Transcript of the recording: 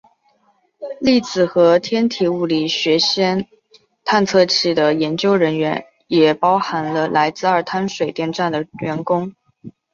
粒子和天体物理学氙探测器的研究团队也包含了来自二滩水电站的员工。